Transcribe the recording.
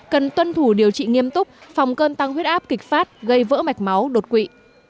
cần tuân thủ điều trị nghiêm túc phòng cơn tăng huyết áp kịch phát gây vỡ mạch máu đột quỵ